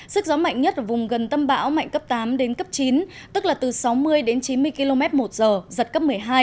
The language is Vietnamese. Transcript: sức gió mạnh nhất vùng gần tâm bão mạnh cấp tám đến cấp chín tức là từ sáu mươi đến chín mươi km một giờ giật cấp một mươi hai